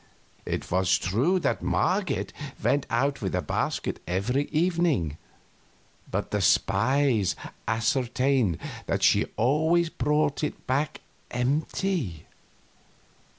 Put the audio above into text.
It was true that Marget went out with a basket every evening, but the spies ascertained that she always brought it back empty.